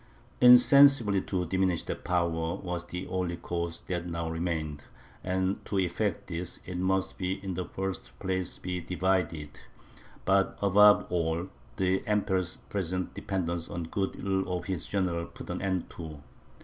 Insensibly to diminish that power, was the only course that now remained, and, to effect this, it must in the first place be divided; but, above all, the Emperor's present dependence on the good will of his general put an end to.